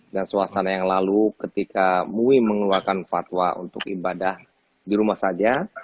dan suasana yang lalu ketika muin mengeluarkan fatwa untuk ibadah di rumah saja